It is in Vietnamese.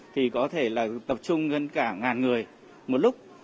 thì có thể là tập trung gần cả ngàn người một lúc